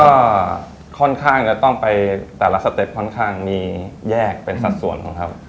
ก็ค่อนข้างจะต้องไปแต่ละสเต็ปค่อนข้างมีแยกเป็นสัดส่วนของครับ